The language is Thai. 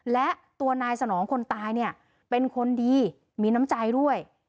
และตัวนายสนองคนตายเนี่ยเป็นคนดีมีน้ำใจด้วย